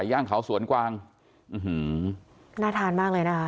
ย่างเขาสวนกวางอื้อหือน่าทานมากเลยนะคะ